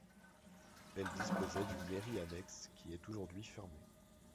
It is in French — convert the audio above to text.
Elle disposait d'une mairie annexe qui est aujourd'hui fermée.